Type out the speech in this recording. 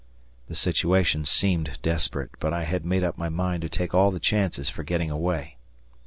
The situation seemed desperate, but I had made up my mind to take all the chances for getting away.